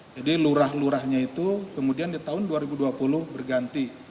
jadi lurah lurahnya itu kemudian di tahun dua ribu dua puluh bergantian